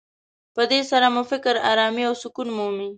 په دې سره مو فکر ارامي او سکون مومي.